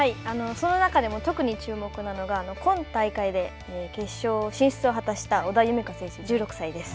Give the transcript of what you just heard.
その中でも特に注目なのが今大会で決勝進出を果たした織田夢海選手、１６歳です。